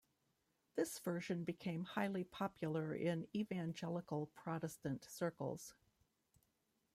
This version became highly popular in Evangelical Protestant circles.